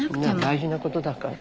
大事なことだから。